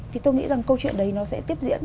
thì tôi nghĩ rằng câu chuyện đấy nó sẽ tiếp diễn